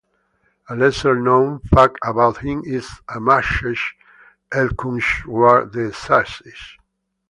A lesser known fact about him is as Mahesh Elkunchwar, the essaysist.